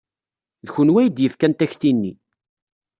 D kenwi ay d-yefkan takti-nni.